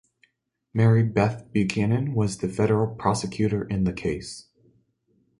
Mary Beth Buchanan was the federal prosecutor in the case.